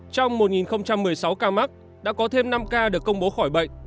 trong một một mươi sáu ca mắc đã có thêm năm ca được công bố khỏi bệnh